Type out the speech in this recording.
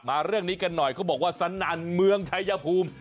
เรื่องนี้กันหน่อยเขาบอกว่าสนั่นเมืองชายภูมิ